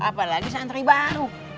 apalagi santri baru